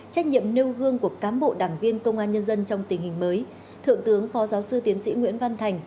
trách nhiệm nêu gương của cán bộ đảng viên công an nhân dân trong tình hình mới thượng tướng phó giáo sư tiến sĩ nguyễn văn thành